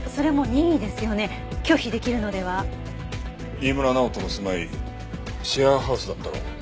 飯村直人の住まいシェアハウスだったろ。